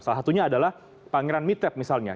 salah satunya adalah pangeran mitep misalnya